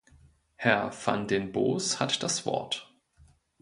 Herr van den Bos hat das Wort.